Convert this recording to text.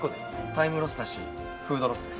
タイムロスだしフードロスです。